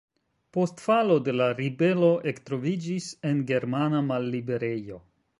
Post falo de la ribelo ektroviĝis en germana malliberejo.